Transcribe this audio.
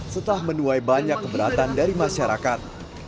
setelah menuai banyak keberatan dari masyarakat